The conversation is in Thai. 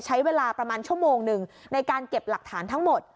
ใช้เวลาประมาณชั่วโมงหนึ่งในการเก็บหลักฐานทั้งหมด